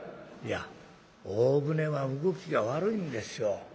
「いや大船は動きが悪いんですよ。